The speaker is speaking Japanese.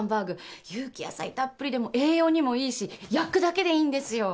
有機野菜たっぷりでもう栄養にもいいし焼くだけでいいんですよ。